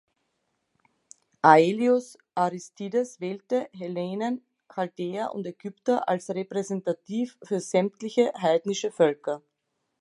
Aelius Aristides wählte Hellenen, Chaldäer und Ägypter als repräsentativ für sämtliche heidnischen Völker.